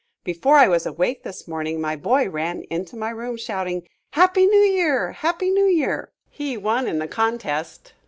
Before I was awake this morning my boy ran into my room shouting, "Happy New Year! Happy New Year!" He won in the contest.